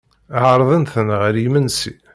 Ɛerḍen-ten ɣer yimensi.